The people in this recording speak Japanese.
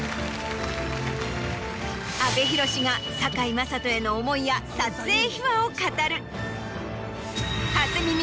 阿部寛が堺雅人への思いや撮影秘話を語る。